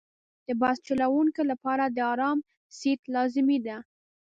د بس چلوونکي لپاره د آرام سیټ لازمي دی.